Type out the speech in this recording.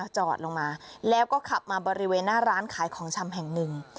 จอดลงมาแล้วก็ขับมาบริเวณหน้าร้านขายของชำแห่งหนึ่ง